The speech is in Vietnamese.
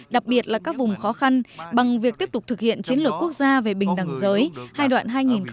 đặc biệt là các vùng khó khăn bằng việc tiếp tục thực hiện chiến lược quốc gia về bình đẳng giới giai đoạn hai nghìn một mươi một hai nghìn hai mươi